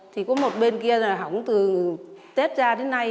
thì có một bên kia là hỏng từ tết ra đến nay